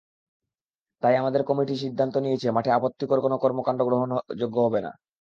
তাই আমাদের কমিটি সিদ্ধান্ত নিয়েছে, মাঠে আপত্তিকর কোনো কর্মকাণ্ড গ্রহণযোগ্য হবে না।